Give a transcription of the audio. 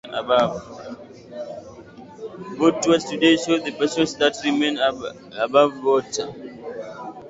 Boat tours today show the portions that remain above water.